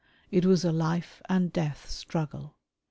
It was a life and death struggle.